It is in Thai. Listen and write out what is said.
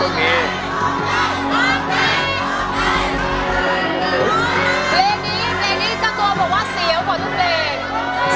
เพลงนี้จะโดยบอกว่าเสียวของทุกเพลง